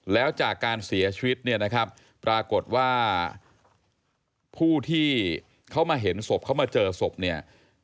แล้วจากการเสียชีวิตเนี่ยนะครับปรากฏว่าผู้ที่เขามาเห็นศพเขามาเจอศพเนี่ย